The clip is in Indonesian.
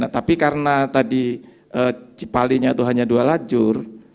tapi karena tadi cipalinya itu hanya dua lajur